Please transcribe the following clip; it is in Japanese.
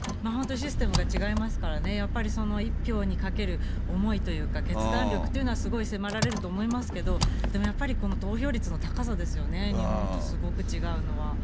本当にシステムが違いますからね、やっぱり、その１票にかける思いというか、決断力というのはすごい迫られると思いますけど、でもやっぱり、この投票率の高さですよね、日本とすごく違うのは。